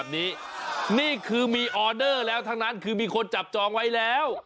นี่คือมีออเดอร์แล้วทั้งนั้นคือมีคนจับจองไว้แล้ว